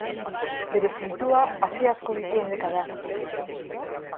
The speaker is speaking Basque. Bere fruitua hazi asko dituen leka da.